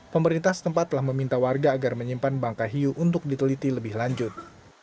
pemerintah setempat telah meminta warga agar menyimpan bangka hiu untuk diteliti lebih lanjut